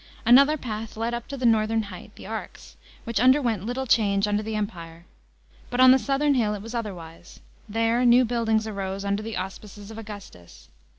Another path led up to the northern height, the Arx, which underwent little change under the Empire. But on the southern hill it was otherwise; there new buildings arose under the auspices of Augustus.